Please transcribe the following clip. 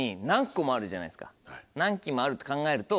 何基もあるって考えると。